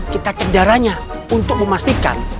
kita cek darahnya untuk memastikan